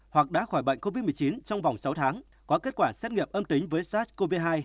hoặc đã khỏi bệnh covid một mươi chín trong vòng sáu tháng có kết quả xét nghiệm âm tính với sars cov hai